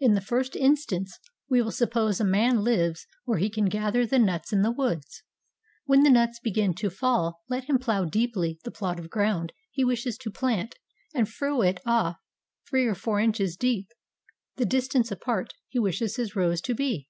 In the first instance we will suppose a man lives where he can gather the nuts in the woods. When the nuts begin to fall let him plow deeply the plot of ground he wishes to plant and furrow it off three or four inches deep, the distance apart he wishes his rows to be.